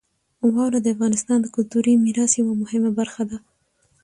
واوره د افغانستان د کلتوري میراث یوه مهمه برخه ده.